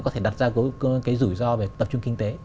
có rủi ro về tập trung kinh tế